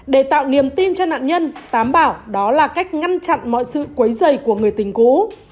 để tạo niềm tin cho nạn nhân tám bảo đó là cách ngăn chặn mọi sự quấy dày của người tình cũ